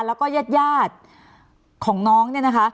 แล้วก็ญาติยาดของน้องเนี่ยนะคะ